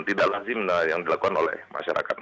tidak lazim yang dilakukan oleh masyarakat